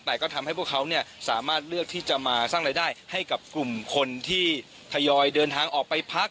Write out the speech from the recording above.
แต่ก็ทำให้พวกเขาสามารถเลือกที่จะมาสร้างรายได้ให้กับกลุ่มคนที่ทยอยเดินทางออกไปพัก